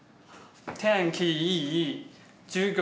「天気いい授業